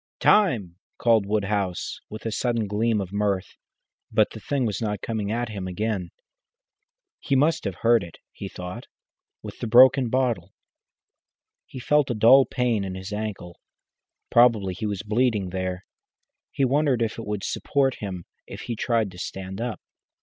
"Time!" called Woodhouse, with a sudden gleam of mirth, but the thing was not coming at him again. He must have hurt it, he thought, with the broken bottle. He felt a dull pain in his ankle. Probably he was bleeding there. He wondered if it would support him if he tried to stand up.